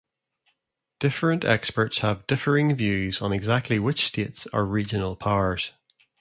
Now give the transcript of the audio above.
Different experts have differing views on exactly which states are regional powers.